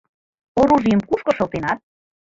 Оружийым кушко шылтенат?»